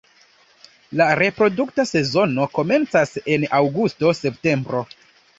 La reprodukta sezono komencas en aŭgusto-septembro.